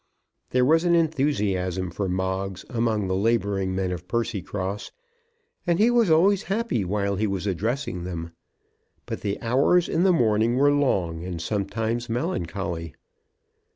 There was an enthusiasm for Moggs among the labouring men of Percycross, and he was always happy while he was addressing them. But the hours in the morning were long, and sometimes melancholy.